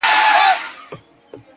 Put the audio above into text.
هوښیار فکر له بیړې لرې وي,